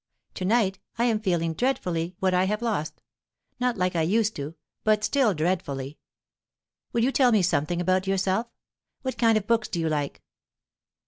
To night I am feeling dreadfully what I have lost not like I used to, but still dreadfully. Will you tell me something about yourself? What kind of books do you like?"